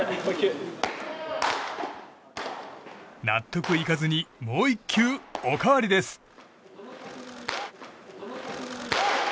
納得いかずにもう１球おかわりです。